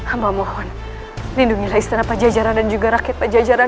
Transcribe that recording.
amal mohon lindungilah istana pajajaran dan juga rakyat pajajaran